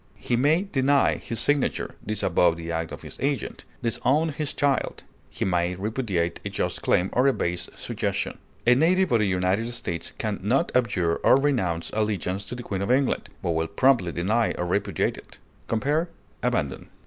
He may deny his signature, disavow the act of his agent, disown his child; he may repudiate a just claim or a base suggestion. A native of the United States can not abjure or renounce allegiance to the Queen of England, but will promptly deny or repudiate it. Compare ABANDON.